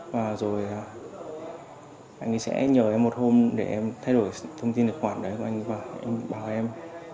và rồi anh ấy sẽ nhờ em một hôm để em thay đổi thông tin tài khoản đấy của anh và em bảo em